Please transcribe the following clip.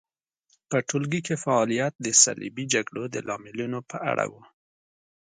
په ټولګي کې فعالیت د صلیبي جګړو د لاملونو په اړه و.